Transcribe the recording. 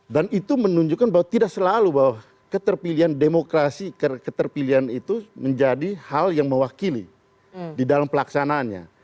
dan itu menunjukkan bahwa tidak selalu bahwa keterpilihan demokrasi keterpilihan itu menjadi hal yang mewakili di dalam pelaksanaannya